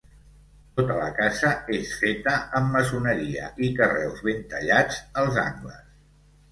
Tota la casa és feta amb maçoneria i carreus ben tallats als angles.